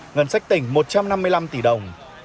ngân sách tỉnh một trăm năm mươi năm tỷ đồng